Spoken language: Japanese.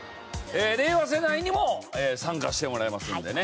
令和世代にも参加してもらいますのでね。